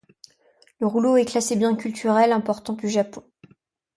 Le rouleau est classé bien culturel important du Japon.